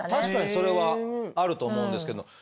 確かにそれはあると思うんですけど。